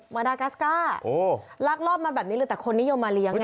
มาดากัสก้าลักลอบมาแบบนี้เลยแต่คนนิยมมาเลี้ยง